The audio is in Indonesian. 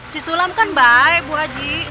si sulam kan baik bu aji